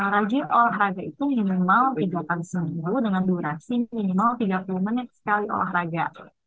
rajin olahraga itu minimal tiga kali seminggu dengan durasi minimal tiga puluh menit sekali olahraga